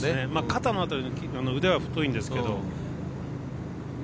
肩の辺り、腕は太いんですけど。